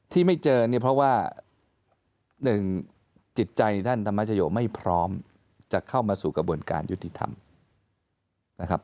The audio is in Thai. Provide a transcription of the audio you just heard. ที่ไม่เจอเนี่ยเพราะว่าหนึ่งจิตใจท่านธรรมชโยไม่พร้อมจะเข้ามาสู่กระบวนการยุติธรรมนะครับ